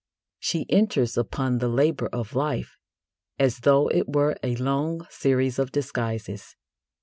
She enters upon the labour of life as though it were a long series of disguises.